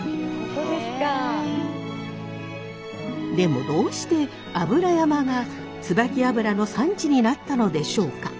でもどうして油山がつばき油の産地になったのでしょうか？